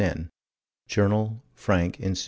N. (_Jour. Frank. Inst.